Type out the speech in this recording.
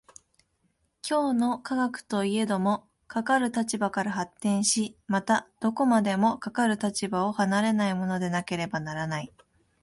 今日の科学といえども、かかる立場から発展し、またどこまでもかかる立場を離れないものでなければならない。